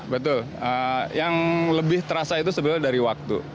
betul yang lebih terasa itu sebenarnya dari waktu